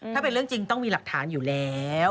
ถ้าเป็นเรื่องจริงต้องมีหลักฐานอยู่แล้ว